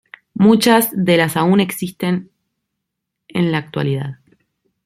Muchas de las aún existen en la actualidad.